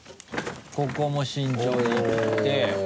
ここも慎重にいって。